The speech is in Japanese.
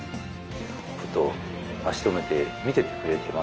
ふと足止めて見てってくれてますよね。